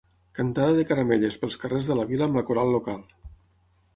Cantada de caramelles pels carrers de la vila amb la coral local.